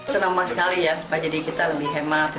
senang banget sekali ya jadi kita lebih hemat